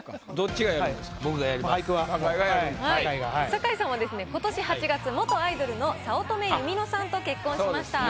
坂井さんはですね今年８月元アイドルの早乙女ゆみのさんと結婚しました。